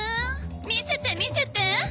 見せて見せて！